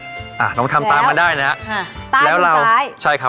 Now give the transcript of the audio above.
เรามาทำตามมาได้นะฮะตามไปซ้ายแล้วเราใช่ครับ